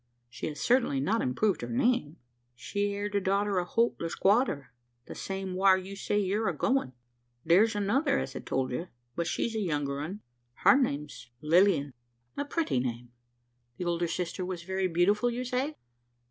"She has certainly not improved her name." "She are the daughter o' Holt the squatter the same whar you say you're a goin'. Thar's another, as I told ye; but she's a younger un. Her name's Lilian." "A pretty name. The older sister was very beautiful you say?"